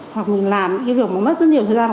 hoặc mình làm những việc mất rất nhiều thời gian